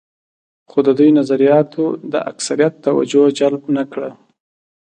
خو د دوی نظریاتو د اکثریت توجه جلب نه کړه.